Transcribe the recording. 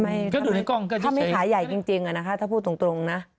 ก็ได้ถ้าไม่ขายใหญ่จริงอะนะคะถ้าพูดตรงนะ